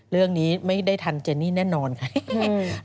เรื่องนี้ไม่ได้ทันเจนี่แน่นอนค่ะ